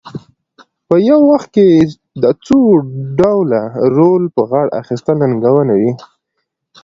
په یو وخت کې د څو ډوله رول په غاړه اخیستل ننګونه وي.